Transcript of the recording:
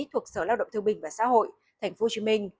thuộc sở lao động thương bình và xã hội tp hcm